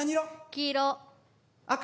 黄色。